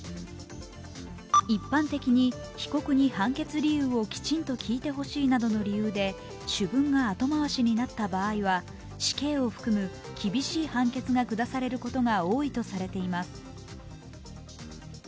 一般的に、被告に判決理由をきちんと聞いてほしいなどの理由で主文が後回しになった場合は死刑を含む厳しい判決が下されることが多いとされています。